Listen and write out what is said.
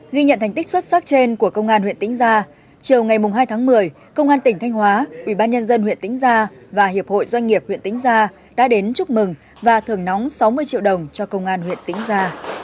ghi nhận thành tích xuất sắc trên của công an huyện tĩnh gia chiều ngày hai tháng một mươi công an tỉnh thanh hóa ubnd huyện tĩnh gia và hiệp hội doanh nghiệp huyện tĩnh gia đã đến chúc mừng và thường nóng sáu mươi triệu đồng cho công an huyện tĩnh gia